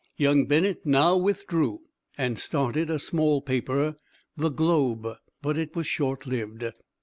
Young Bennett now withdrew and started a small paper, The Globe, but it was short lived.